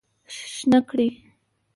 شنه کړی